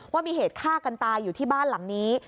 ว่ามีเหตุฆ่ากันตายอยู่ที่บ้านหลังนี้